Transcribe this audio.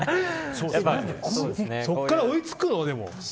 そこから追いつくの、でも。